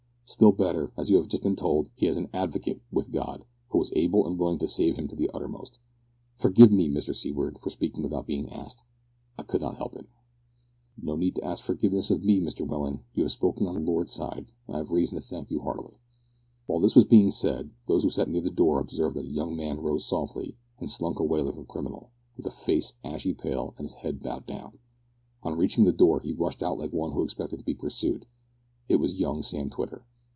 Still better, as you have just been told, he has an Advocate with God, who is able and willing to save him to the uttermost. Forgive me, Mr Seaward, for speaking without being asked. I could not help it." "No need to ask forgiveness of me, Mr Welland. You have spoken on the Lord's side, and I have reason to thank you heartily." While this was being said, those who sat near the door observed that a young man rose softly, and slunk away like a criminal, with a face ashy pale and his head bowed down. On reaching the door, he rushed out like one who expected to be pursued. It was young Sam Twitter.